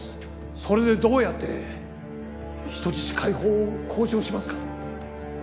それでどうやって人質解放を交渉しますか？